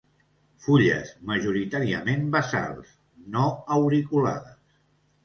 Fulles majoritàriament basals; no auriculades.